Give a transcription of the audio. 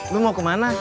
lu mau kemana